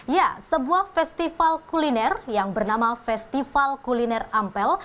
ya sebuah festival kuliner yang bernama festival kuliner ampel